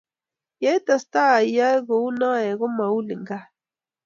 Ye i testai iyoe kou noe ko muilin kaat